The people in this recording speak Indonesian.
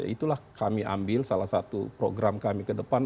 itulah kami ambil salah satu program kami ke depan